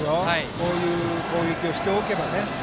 こういう攻撃をしておけば。